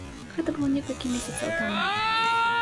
Гэта было некалькі месяцаў таму.